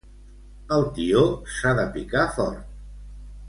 El tió s'ha de picar fort.